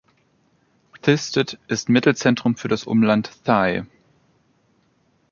Thisted ist Mittelzentrum für das Umland Thy.